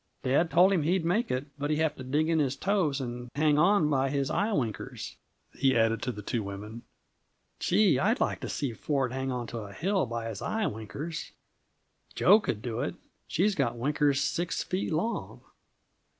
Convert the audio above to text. "Dad told him he'd make it, but he'd have to dig in his toes and hang on by his eye winkers," he added to the two women. "Gee! I'd like to see Ford hang onto a hill by his eye winkers. Jo could do it she's got winkers six feet long."